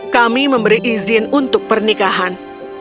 kami memberi izin untuk pernikahan